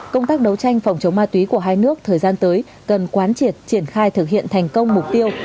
công tác đấu tranh phòng chống ma túy của hai nước thời gian tới cần quán triệt triển khai thực hiện thành công mục tiêu